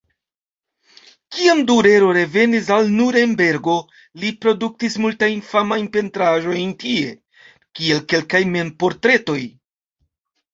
Kiam Durero revenis al Nurenbergo li produktis multajn famajn pentraĵojn tie, kiel kelkaj mem-portretoj.